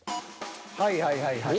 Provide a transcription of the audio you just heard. はいはいはいはい。